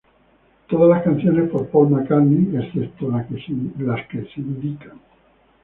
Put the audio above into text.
Todas las canciones por Paul McCartney, excepto las que se indican.